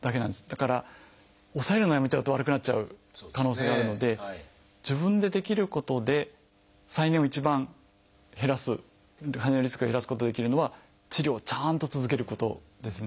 だから抑えるのをやめちゃうと悪くなっちゃう可能性があるので自分でできることで再燃を一番減らす再燃のリスクを減らすことができるのは治療をちゃんと続けることですね。